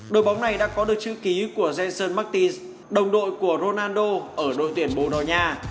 đội bóng này đã có được chữ ký của jenson martins đồng đội của ronaldo ở đội tuyển borogna